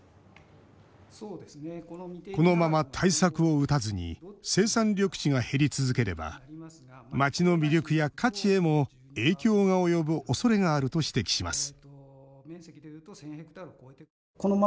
このまま対策を打たずに生産緑地が減り続ければ街の魅力や価値へも影響が及ぶおそれがあると指摘します